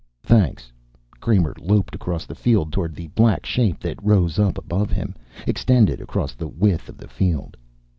"Thanks." Kramer loped across the field, toward the black shape that rose up above him, extended across the width of the field.